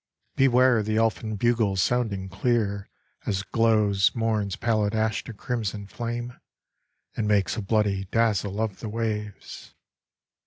Beware the elfin bugles sounding clear As glows morn's pallid ash to crimson flame And makes a bloody dazzle of the waves!